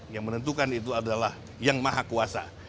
yang menentukan itu adalah yang maha kuasa